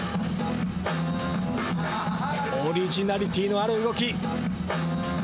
オリジナリティーのある動き。